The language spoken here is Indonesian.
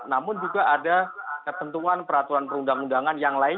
namun juga ada ketentuan peraturan perundang undangan yang lain